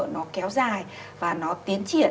nó kéo dài và nó tiến triển